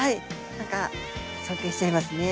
何か尊敬しちゃいますね。